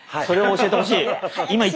それを教えてほしい。